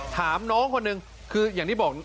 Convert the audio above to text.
ถามน้องคนหนึ่งคืออย่างที่บอก